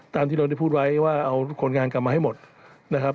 ตามที่เราได้พูดไว้ว่าเอาคนงานกลับมาให้หมดนะครับ